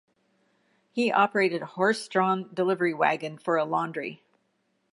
He operated a horse-drawn delivery wagon for a laundry.